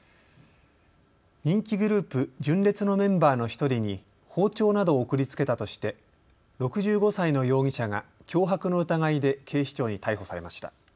人気グループ、純烈のメンバーの１人に包丁などを送りつけたとして６５歳の容疑者が脅迫の疑いで警視庁に逮捕されました。